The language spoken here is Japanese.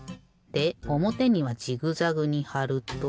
でおもてにはジグザグにはると。